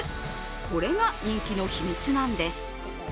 これが人気の秘密なんです。